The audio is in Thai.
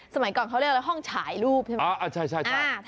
สมัยก่อนเขาเรียกว่าห้องฉายรูปใช่ไหมอ่าใช่